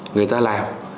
người ta làm